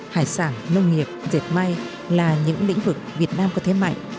hải sản nông nghiệp dệt may là những lĩnh vực việt nam có thế mạnh